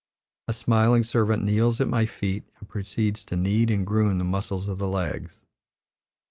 A smiling servant kneels at my feet and proceeds to knead and "groom" the muscles of the legs.